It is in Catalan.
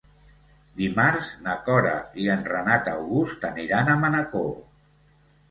Dimarts na Cora i en Renat August aniran a Manacor.